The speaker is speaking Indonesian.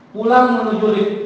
pulang menuju wib